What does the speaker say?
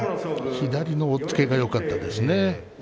左の押っつけがよかったですね。